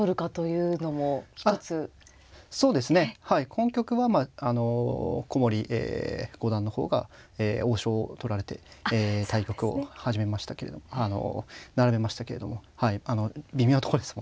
本局はまああの古森五段の方が王将を取られてえ対局を始めましたけれどもあの並べましたけれどもはいあの微妙なとこですもんね。